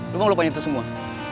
lo mah lupain itu semua